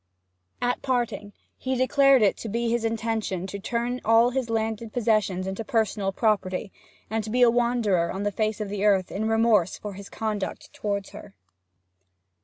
At parting he declared it to be his intention to turn all his landed possessions into personal property, and to be a wanderer on the face of the earth in remorse for his conduct towards her.